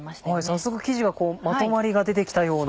早速生地がまとまりが出て来たような。